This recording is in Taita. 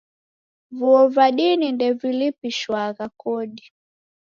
Vuo va dini ndevilipishwagha kodi.